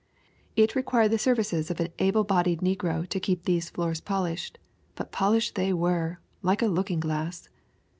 It required the services of an able bodied negro to keep these floors polished but polished they were, like a looking glass.